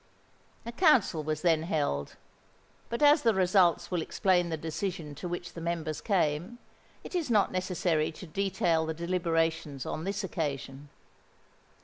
A council was then held; but as the results will explain the decision to which the members came, it is not necessary to detail the deliberations on this occasion.